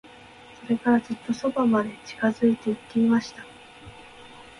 それから、ずっと側まで近づいて行ってみました。